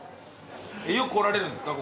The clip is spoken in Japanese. よく来られるんですか？